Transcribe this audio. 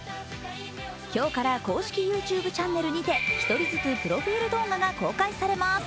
今日から公式ＹｏｕＴｕｂｅチャンネルにて１人ずつプロフィール動画が公開されます。